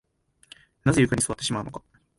なぜ床に座ってしまうのか